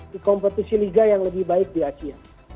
di kompetisi liga yang lebih baik di asia